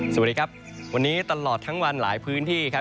สวัสดีครับวันนี้ตลอดทั้งวันหลายพื้นที่ครับ